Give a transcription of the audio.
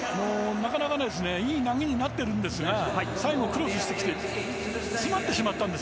なかなかいい投げになってるんですが最後クロスしてきて詰まってしまったんです。